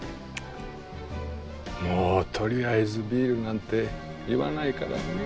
もう「とりあえずビール」なんて言わないからね。